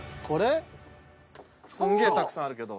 すげえたくさんあるけど。